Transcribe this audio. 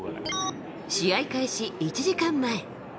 試合開始１時間前。